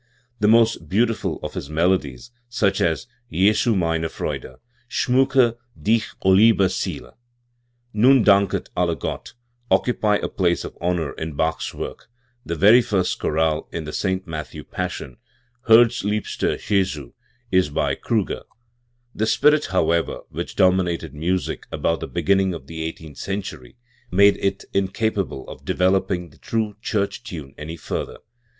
The most beautiful of his melodies, such as "Jesu mcinc Frcudc", "Schmiicke dich, o liebe Seele", u Nun danket alle Gott", occupy a place of honour in Bach's work; the very first chorale in the St. Matthew Passion, "Herzliebster Jcsu" is by Criiger. The spirit, however, which dominated music about the beginning of the eighteenth century made it incapable of developing the true church time any further.